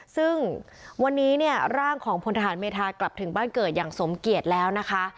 ซึ่งวันนี้เนี่ยร่างของพลทหารเมธากลับถึงบ้านเกิดอย่างสมเกียจแล้วนะคะ